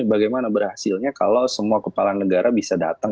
bagaimana berhasilnya kalau semua kepala negara bisa datang